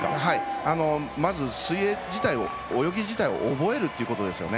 まず、水泳自体を泳ぎ自体を覚えるってことですね。